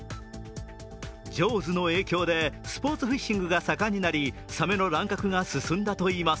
「ジョーズ」の影響でスポーツフィッシングが盛んになりサメの乱獲が進んだといいます。